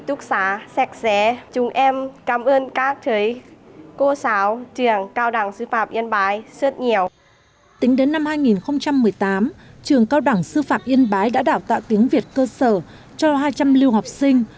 tính đến năm hai nghìn một mươi tám trường cao đẳng sư phạm yên bái đã đào tạo tiếng việt cơ sở cho hai trăm linh lưu học sinh